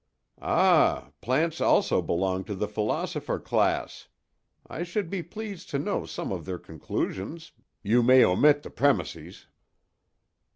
"Ah, plants also belong to the philosopher class! I should be pleased to know some of their conclusions; you may omit the premises."